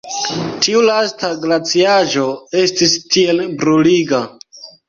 Tiu lasta glaciaĵo estis tiel bruliga!